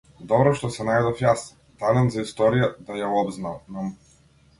Добро што се најдов јас, талент за историја, да ја обзнанам.